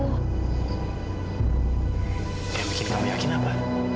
yang bikin kamu yakin apa